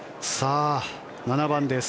７番です。